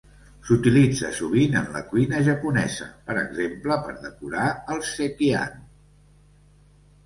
S'utilitza sovint en la cuina japonesa, per exemple per decorar el "sekihan".